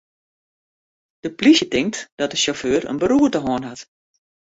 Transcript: De plysje tinkt dat de sjauffeur in beroerte hân hat.